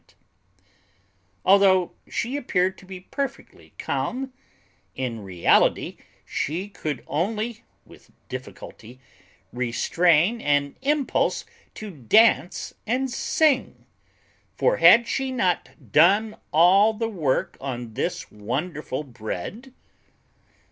Although she appeared to be perfectly calm, in reality she could only with difficulty restrain an impulse to dance and sing, for had she not done all the work on this wonderful bread?